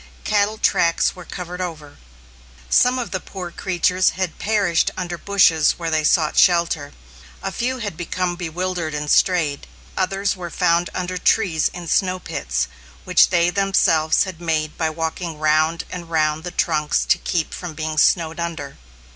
Cattle tracks were covered over. Some of the poor creatures had perished under bushes where they sought shelter. A few had become bewildered and strayed; others were found under trees in snow pits, which they themselves had made by walking round and round the trunks to keep from being snowed under.